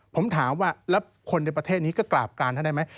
ผมถามว่าแล้วคนในประเทศนี้ก็กราบการท่านได้ไหม